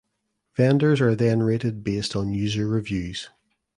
Vendors are then rated based on user reviews.